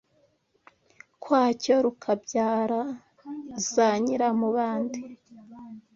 kwacyo rukabyara za nyiramubande